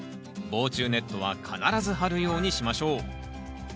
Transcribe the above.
防虫ネットは必ず張るようにしましょう。